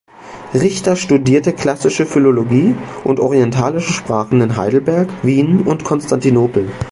Richter studierte klassische Philologie und orientalische Sprachen in Heidelberg, Wien und Konstantinopel.